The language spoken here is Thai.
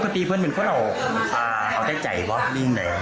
นี่มันเกมหรอ